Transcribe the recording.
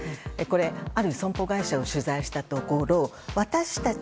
ある損保会社を取材したところ私たち